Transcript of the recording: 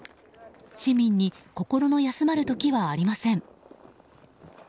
市民に心の休まる時はありません。